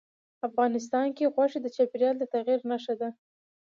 افغانستان کې غوښې د چاپېریال د تغیر نښه ده.